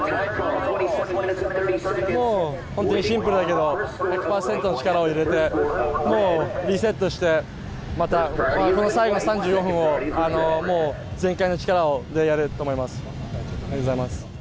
本当にシンプルだけど１００％の力を入れてリセットしてまたこの最後の３４分を全開の力でやると思います。